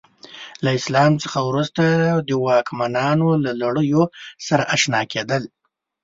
له اسلام څخه وروسته د واکمنانو له لړیو سره اشنا کېدل.